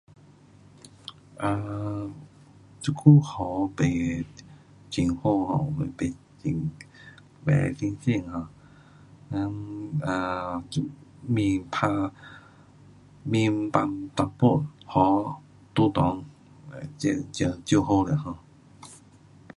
um 这久 ho [unintelligible] 面一点在内就好了。